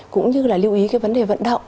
cũng như là lưu ý cái vấn đề vận động